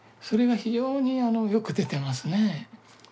それが非常にあのよく出てますね。